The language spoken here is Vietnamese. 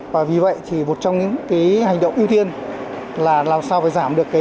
và vì vậy thì một trong những cái hành động ưu tiên là làm sao phải giảm được